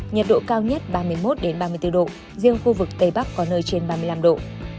nhiệt độ cao nhất ba mươi một ba mươi bốn độ riêng khu vực tây bắc có nơi trên ba mươi năm độ